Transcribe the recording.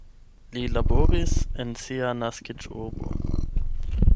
Li laboris en sia naskiĝurbo.